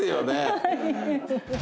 はい。